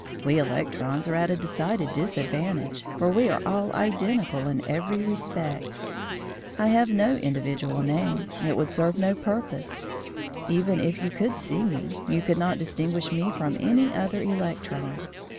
We electrons are at a decided disadvantage, for we are all identical in every respect. I have no individual name it would serve no purpose. Even if you could see me, you could not distinguish me from any other electron.